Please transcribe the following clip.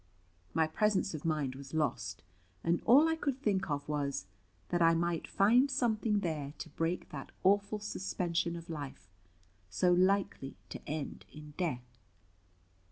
My presence of mind was lost, and all I could think of was, that I might find something there to break that awful suspension of life, so likely to end in death.